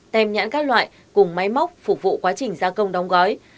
tem nhãn các loại cùng máy móc phục vụ quá trình gia công đóng gói